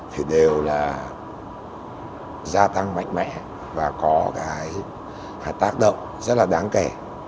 thì đều là gia tăng mạnh mẽ và có cái tác động rất là đáng kể